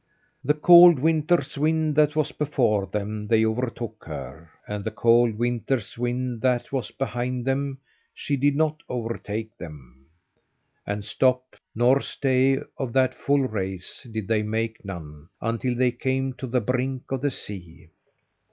The cold winter's wind that was before them, they overtook her, and the cold winter's wind that was behind them, she did not overtake them. And stop nor stay of that full race, did they make none, until they came to the brink of the sea.